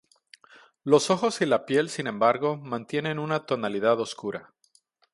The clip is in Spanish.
Los ojos y la piel sin embargo mantienen una tonalidad oscura.